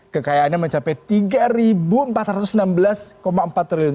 kekayaannya mencapai rp tiga empat ratus enam belas empat triliun